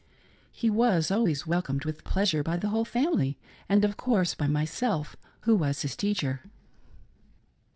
He was always welcomed with pleasure by the whole family, and, of course, by myself, who was his teacher.